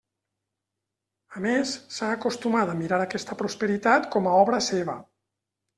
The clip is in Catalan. A més, s'ha acostumat a mirar aquesta prosperitat com a obra seva.